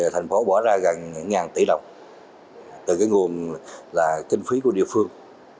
thành phố bỏ ra gần một tỷ đồng từ nguồn kinh phí của địa phương